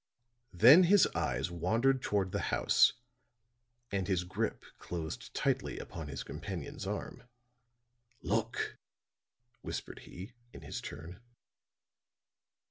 Then his eyes wandered toward the house, and his grip closed tightly upon his companion's arm. "Look," whispered he, in his turn.